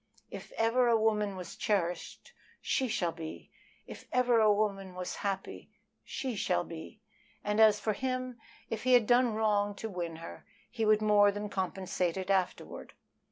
"If ever a woman was cherished she shall be! If ever a woman was happy she shall be!" And as for him, if he had done wrong to win her, he would more than compensate it afterward.